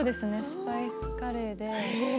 スパイスカレーで。